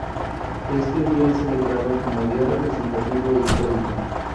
Este día es celebrado como día representativo e histórico.